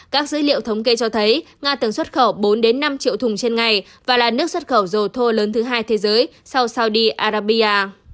các dữ liệu thống kê cho thấy nga từng xuất khẩu bốn năm triệu thùng trên ngày và là nước xuất khẩu dầu thô lớn thứ hai thế giới sau sao đi arabia